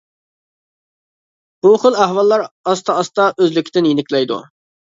بۇ خىل ئەھۋاللار ئاستا-ئاستا ئۆزلۈكىدىن يېنىكلەيدۇ.